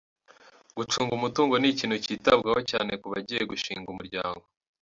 Gucunga umutungo ni ikintu kitabwaho cyane ku bagiye gushinga umuryango.